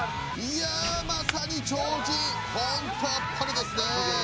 いやあまさに超人ホントあっぱれですね